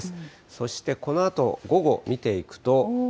そしてこのあと午後、見ていくと。